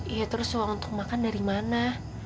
ya terus uang untuk makan dari mana